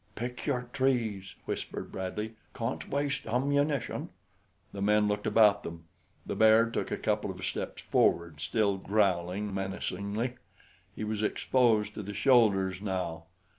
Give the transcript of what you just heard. "Pick your trees," whispered Bradley. "Can't waste ammunition." The men looked about them. The bear took a couple of steps forward, still growling menacingly. He was exposed to the shoulders now.